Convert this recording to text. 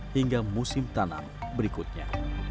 hingga musim tanam berikutnya